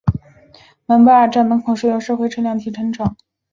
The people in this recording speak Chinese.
蒙巴尔站门口设有社会车辆停车场。